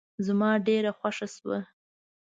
زما ډېره خوښه شوه.